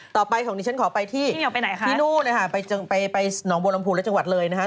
ต่อไปของนี้ฉันขอไปที่ที่นู่นไปหนองโบรมภูรณ์และจังหวัดเลย